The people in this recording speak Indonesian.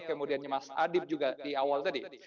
kemudian mas adib juga di awal tadi